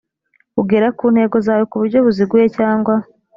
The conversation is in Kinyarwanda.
ugera ku ntego zawo ku buryo buziguye cyangwa